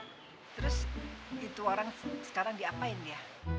terus itu orang sekarang diapain ya